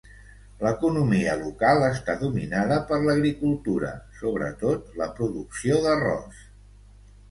L'economia local està dominada per l'agricultura, sobretot la producció d'arròs.